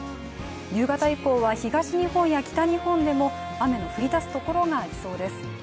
夕方以降は東日本や北日本でも雨の降りだすところがありそうです。